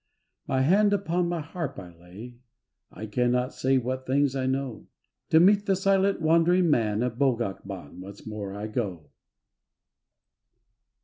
My hand upon my harp I lay, I cannot say what things I know; To meet the Silent Wandering Man Of Bogac Ban once more I go.